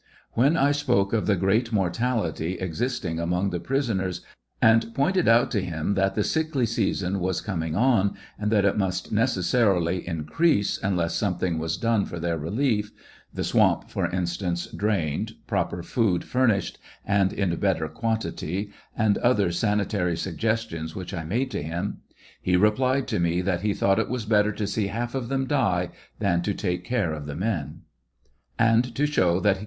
When I spoke of the great mortality existing among the prisoners, and pointed out to him that the sickly season was coming on, and that it must necessarily increase unless something was done for their relief — the swamp, for instance, drained, proper food furnished, and in better quantity, and other sanitary suggestionswhich I made to him — he replied to me that he thought it was better to see half of them die than to take care of the men. And to show that he.